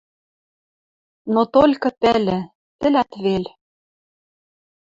Но толькы пӓлӹ... тӹлӓт вел.